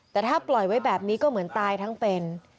แต่ถ้าปล่อยไว้แบบนี้ก็เหมือนตายทั้งเป็น